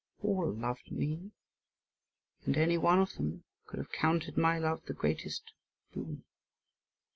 All loved me, and any one of them would have counted my love the greatest boon.